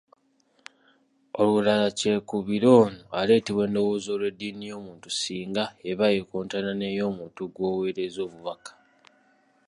Olulala kyekubiira ono aleetebwa endowooza olw’eddiini y’omuntu singa eba ekontana n’ey’omuntu gw’oweereza obubaka.